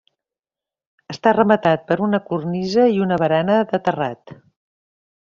Està rematat per una cornisa i una barana de terrat.